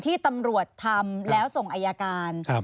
ที่ตำรวจทำแล้วส่งอายการ